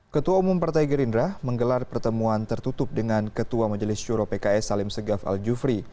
ketua umum partai gerindra menggelar pertemuan tertutup dengan ketua majelis juro pks salim segaf al jufri